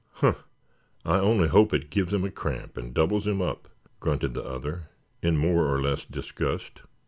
"Huh! I only hope it gives him a cramp, and doubles him up," grunted the other, in more or less disgust.